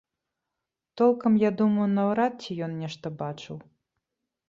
Толкам, я думаю, наўрад ці ён нешта бачыў.